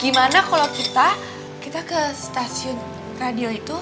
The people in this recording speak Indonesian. gimana kalau kita kita ke stasiun radio itu